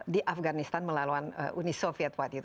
di afganistan melalui uni soviet